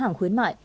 hàng khuyến mại